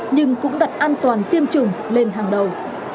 nhưng cũng đặt an toàn tiêm chủng lên hàng đầu